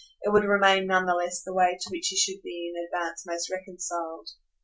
It would remain none the less the way to which he should be in advance most reconciled.